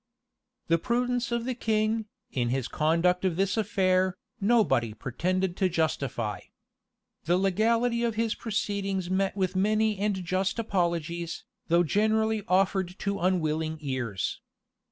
The prudence of the king, in his conduct of this affair, nobody pretended to justify. The legality of his proceedings met with many and just apologies, though generally offered to unwilling ears.